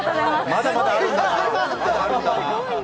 まだまだあるんだな。